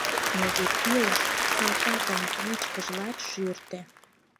Но вет илыш салтакын вичкыж — лач шӱртӧ.